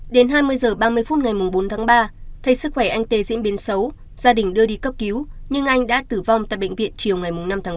đến hai mươi h ba mươi phút ngày bốn ba thay sức khỏe anh t diễn biến xấu gia đình đưa đi cấp cứu nhưng anh đã tử vong tại bệnh viện chiều ngày năm ba